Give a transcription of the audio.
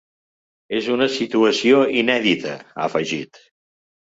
És una situació inèdita, ha afegit.